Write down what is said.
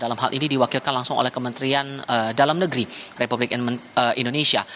dalam hal ini diwakilkan langsung oleh kementerian dalam negeri republik indonesia